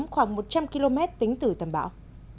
khoảng một trăm linh km tính từ tâm bão